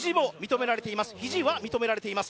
ひじは認められています。